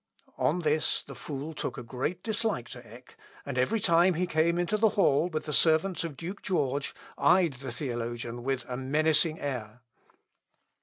On this the fool took a great dislike to Eck, and, every time he came into the hall with the servants of Duke George, eyed the theologian with a menacing air.